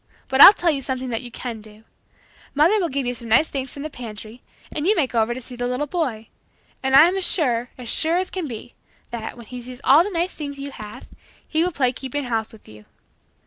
But I'll tell you something that you can do. Mother will give you some things from the pantry and you may go over to see the little boy. And I am as sure, as sure can be, that, when he sees all the nice things you have, he will play keeping house with you."